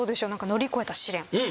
乗り越えた試練。